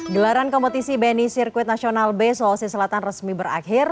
gelaran kompetisi bni sirkuit nasional b sulawesi selatan resmi berakhir